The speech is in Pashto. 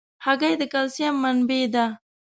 هګۍ د کلسیم منبع ده.